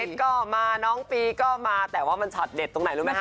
ก็มาน้องปีก็มาแต่ว่ามันช็อตเด็ดตรงไหนรู้ไหมค